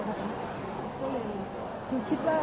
เช็กรางกาย